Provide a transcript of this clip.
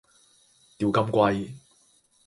釣金龜